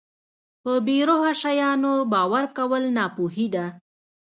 په بې روحه شیانو باور کول ناپوهي ده.